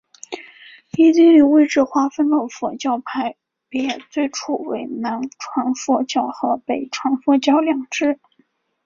以地理位置划分的佛教派别最初为南传佛教和北传佛教两支。